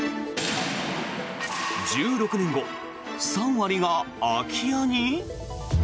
１６年後、３割が空き家に？